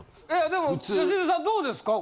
でも良純さんどうですか？